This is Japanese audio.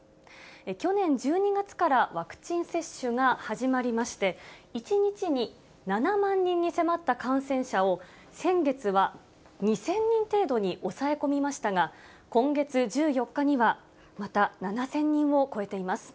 去年１２月からワクチン接種が始まりまして、１日に７万人に迫った感染者を、先月は２０００人程度に抑え込みましたが、今月１４日にはまた７０００人を超えています。